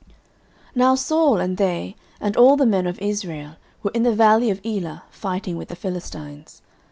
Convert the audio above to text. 09:017:019 Now Saul, and they, and all the men of Israel, were in the valley of Elah, fighting with the Philistines.